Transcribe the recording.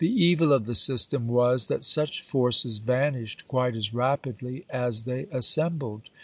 evil of the system was, that such forces vanished quite as rapidly as they assembled.